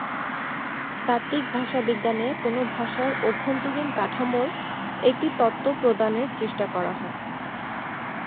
তাত্ত্বিক ভাষাবিজ্ঞানে কোন ভাষার অভ্যন্তরীণ কাঠামোর একটি তত্ত্ব প্রদানের চেষ্টা করা হয়।